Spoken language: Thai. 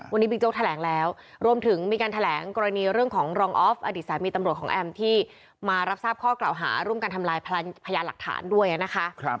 วันนี้บิ๊กโจ๊กแถลงแล้วรวมถึงมีการแถลงกรณีเรื่องของรองออฟอดีตสามีตำรวจของแอมที่มารับทราบข้อกล่าวหาร่วมกันทำลายพยานหลักฐานด้วยนะคะ